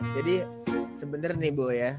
jadi sebenernya nih bu ya